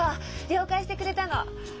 了解してくれたの。